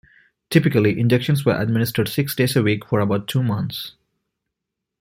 Typically, injections were administered six days a week for about two months.